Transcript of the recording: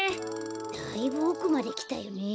だいぶおくまできたよねえ。